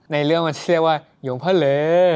ในเรื่องมันจะเรียกว่ายงพะเล่